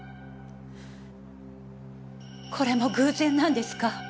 これも偶然なんですか？